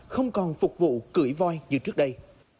không còn phục vụ cưỡi voi như trước đây